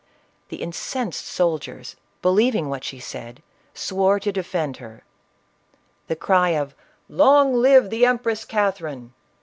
The incensed soldiers, believing what she said, swore to defend her; the cry of " Long live the Empress Catherine